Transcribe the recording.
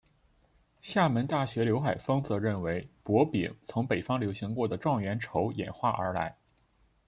厦门大学刘海峰则认为博饼从北方流行过的状元筹演化而来。